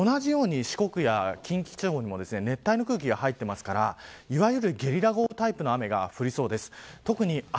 この台風の特に東側北上してくるのと同時に同じように四国や近畿地方にも熱帯の空気が入っていますからいわゆるゲリラ豪雨タイプの雨が降りそうです。